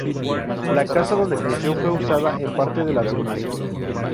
La casa dónde creció fue usada en parte de la filmación.